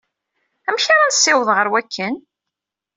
Amek ara nessiweḍ ɣer wakken?